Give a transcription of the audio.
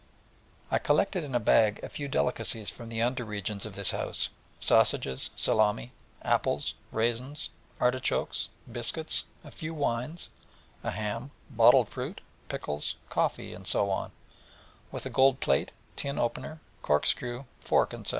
I collected in a bag a few delicacies from the under regions of this house, Lyons sausages, salami, mortadel, apples, roes, raisins, artichokes, biscuits, a few wines, a ham, bottled fruit, pickles, coffee, and so on, with a gold plate, tin opener, cork screw, fork, &c.